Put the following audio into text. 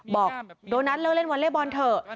บอกโดนัทเลิกเล่นวอเล่บอลเถอะ